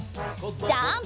ジャンプ！